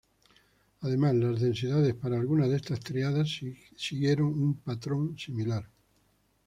Además, las densidades para algunas de estas tríadas siguieron un patrón similar.